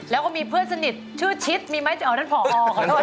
แล้วก็มีเพื่อนสนิทชื่อชิดมีไหมแต่อ๋อนั่นผอขอโทษ